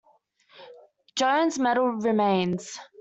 Jones Metal remains.